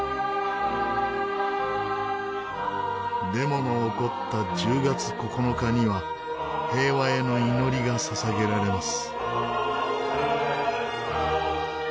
デモの起こった１０月９日には平和への祈りが捧げられます。